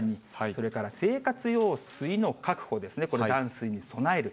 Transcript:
それから生活用水の確保ですね、これ、断水に備える。